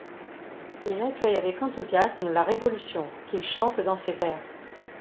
Il accueille avec enthousiasme la Révolution qu'il chante dans ses vers.